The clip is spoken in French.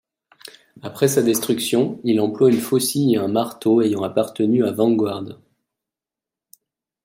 Après sa destruction, il emploie une faucille et un marteau, ayant appartenu à Vanguard.